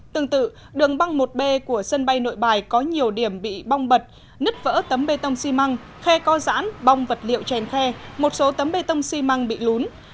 tương tự đường băng một b của sân bay nội bài có nhiều điểm bị bong bật nứt vỡ tấm bê tông xi măng khe co giãn bong vật liệu chèn khe một số tấm bê tông xi măng bị lún